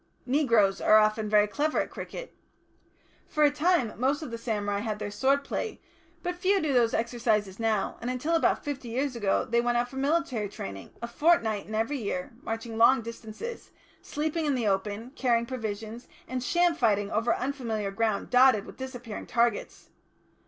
Negroes are often very clever at cricket. For a time, most of the samurai had their sword play, but few do those exercises now, and until about fifty years ago they went out for military training, a fortnight in every year, marching long distances, sleeping in the open, carrying provisions, and sham fighting over unfamiliar ground dotted with disappearing targets.